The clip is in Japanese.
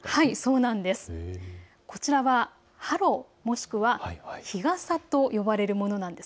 こちらはハロ、もしくは日暈と呼ばれるものなんです。